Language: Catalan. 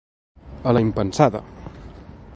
A la impensada.